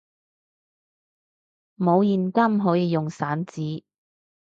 冇現金可以用散紙！